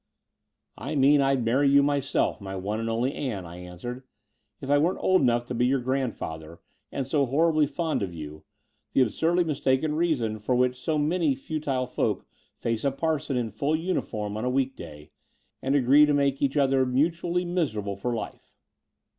"I mean I'd marry you myself, my one and only Ann," I answered, '*if I weren't old enough to be your grandfather and so horribly fond of you — the absurdly mistaken reason for which so many futile folk face a parson in full tmif orm on a week day, and agree to make each other mutually miserable for lif e.